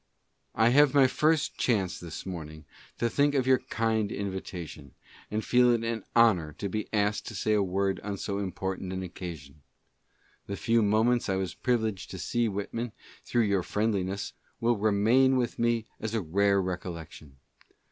I have my first chance this morning to think of your kind in vitation, and feel it an honor to be asked to say a word on so important an occasion. The few mome:: ; Z was privileged to see Whitman, through your friendliness, will remain with me as a rare recollection.